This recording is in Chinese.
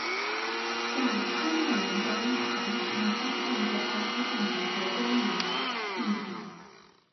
在喀麦隆的蚂蟥体内发现过艾滋病毒和肝炎病毒。